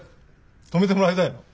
止めてもらいたいの？